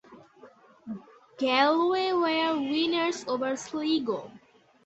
Galway were winners over Sligo.